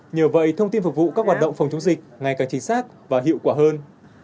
nhờ vậy thông tin phục vụ các hoạt động phòng chống dịch ngày càng chính xác và hiệu quả hơn